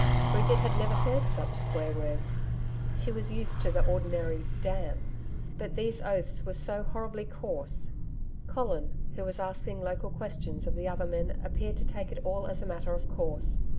Bridget had never heard such swear words. She was used to the ordinary 'damn,' but these oaths were so horribly coarse. Colin, who was asking local questions of the other men appeared to take it all as a matter of course.